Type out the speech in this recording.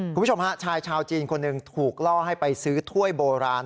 คุณผู้ชมฮะชายชาวจีนคนหนึ่งถูกล่อให้ไปซื้อถ้วยโบราณ